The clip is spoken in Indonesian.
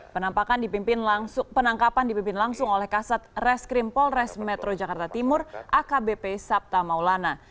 penampakan penangkapan dipimpin langsung oleh kasat reskrim polres metro jakarta timur akbp sabta maulana